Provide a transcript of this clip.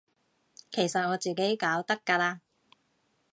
其實我自己搞得㗎喇